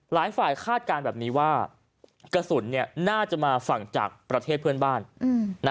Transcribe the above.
หลายฝ่ายคาดการณ์แบบนี้ว่ากระสุนน่าจะมาฝั่งจากประเทศเพื่อนบ้าน